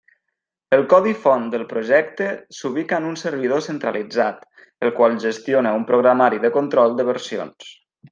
El codi font del projecte s'ubica en un servidor centralitzat, el qual gestiona un programari de control de versions.